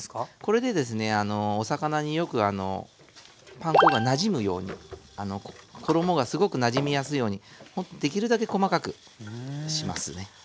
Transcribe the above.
これでですねお魚によくパン粉がなじむように衣がすごくなじみやすいようにできるだけ細かくしますね。